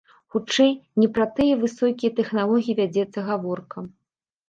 Хутчэй, не пра тыя высокія тэхналогіі вядзецца гаворка.